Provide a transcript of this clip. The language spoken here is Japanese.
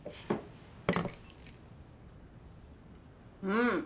うん。